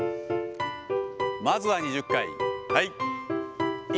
まずは２０回。